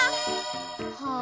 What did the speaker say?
はあ。